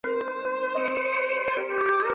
因此而计算出来的距离会是错武的。